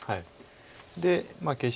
で消して。